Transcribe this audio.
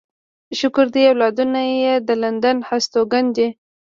شکر دی اولادونه يې د لندن هستوګن دي.